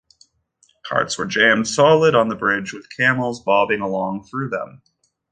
Carts were jammed solid on the bridge with camels bobbing along through them.